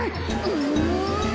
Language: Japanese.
うん。